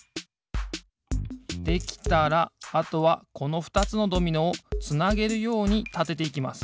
できたらあとはこのふたつのドミノをつなげるようにたてていきます